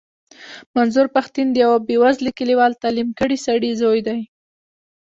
منظور پښتين د يوه بې وزلې کليوال تعليم کړي سړي زوی دی.